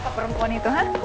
siapa perempuan itu ha